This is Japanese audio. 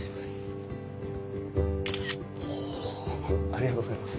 ありがとうございます。